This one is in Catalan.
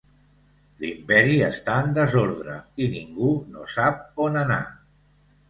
L'imperi està en desordre i ningú no sap on anar.